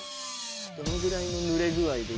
どのぐらいの濡れ具合で。